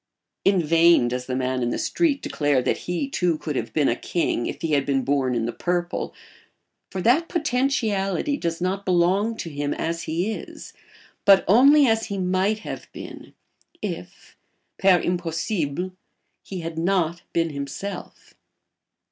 In vain does the man in the street declare that he, too, could have been a king if he had been born in the purple; for that potentiality does not belong to him as he is, but only as he might have been, if per impossibile he had not been himself.